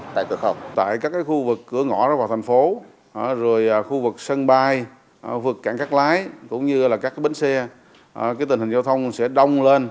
tại các khu vực cửa ngõ vào thành phố khu vực sân bay vực cản cắt lái cũng như các bến xe tình hình giao thông sẽ đông lên